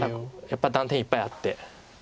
やっぱり断点いっぱいあって。